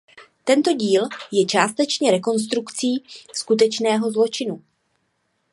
Tento díl je částečně rekonstrukcí skutečného zločinu.